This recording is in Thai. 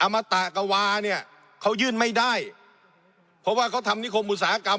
มตะกวาเนี่ยเขายื่นไม่ได้เพราะว่าเขาทำนิคมอุตสาหกรรม